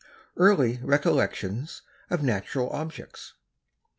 EARLY RECOLLECTIONS OF NATURAL OBJECTS.